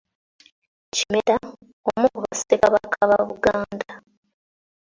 Kimera omu mu bassekabaka ba uganda.